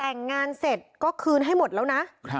แต่งงานเสร็จก็คืนให้หมดแล้วนะ